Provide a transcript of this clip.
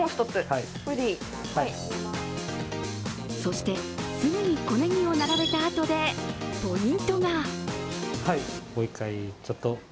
そして、すぐに小ネギを並べたあとでポイントが。